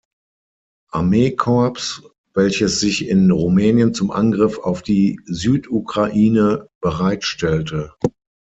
Armeekorps, welches sich in Rumänien zum Angriff auf die Südukraine bereitstellte.